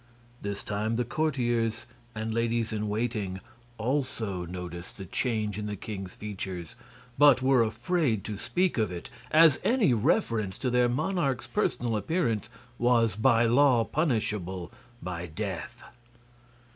This time the courtiers and ladies in waiting also noticed the change in the king's features, but were afraid to speak of it, as any reference to their monarch's personal appearance was by law punishable by death.